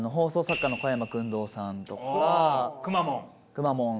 くまモン！